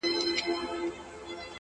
د میوند شهیده مځکه د پردي پلټن مورچل دی-